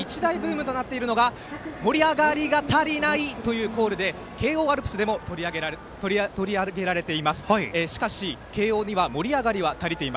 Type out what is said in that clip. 今年、よく取り上げられるのが「盛り上がりが足りない」というコールで慶応アルプスでも取り上げられています。